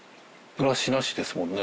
ブラシなしですもんね。